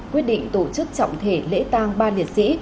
quyết định tổ chức trọng thể lễ tang ba liệt sĩ